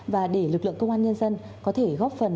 và để lực lượng công an nhân dân có thể góp phần